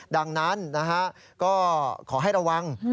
ดังนั้นนะฮะก็ขอให้ระวัง